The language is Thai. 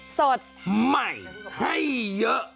สดใหม่ให้เยอะ